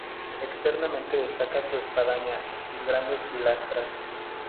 Externamente destaca su espadaña y sus grandes pilastras.